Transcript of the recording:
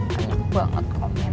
banyak banget komennya